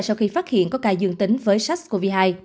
sau khi phát hiện có ca dương tính với sars cov hai